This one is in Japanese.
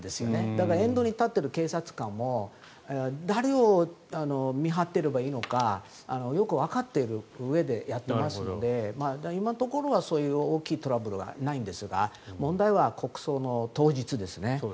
だから沿道に立っている警察官も誰を見張っていればいいのかよくわかっているうえでやっていますので今のところはそういう大きいトラブルはないんですが問題は国葬の当日ですね。